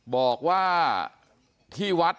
บอกว่าที่วัดนำไม้ตะเคียนมาเนี่ย